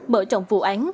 bởi trọng phụ án